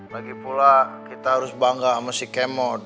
lagipula kita harus bangga sama si kemot